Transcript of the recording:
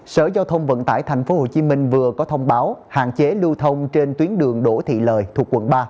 sở giao thông vận tải tp hcm vừa có thông báo hạn chế lưu thông trên tuyến đường đỗ thị lời thuộc quận ba